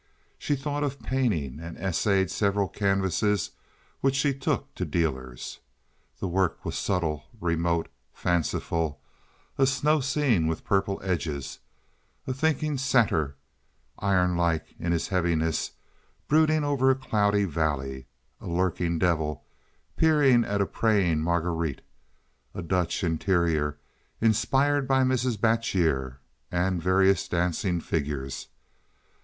She thought of painting and essayed several canvases which she took to dealers. The work was subtle, remote, fanciful—a snow scene with purple edges; a thinking satyr, iron like in his heaviness, brooding over a cloudy valley; a lurking devil peering at a praying Marguerite; a Dutch interior inspired by Mrs. Batjer, and various dancing figures.